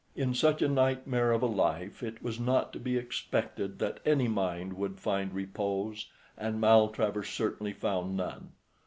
In such a nightmare of a life it was not to be expected that any mind would find repose, and Maltravers certainly found none.